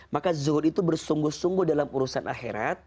maka zuhur itu bersungguh sungguh dalam urusan akhirat